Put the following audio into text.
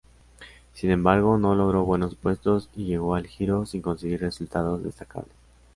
Sin embargo, no logró buenos puestos y llegó al Giro sin conseguir resultados destacables.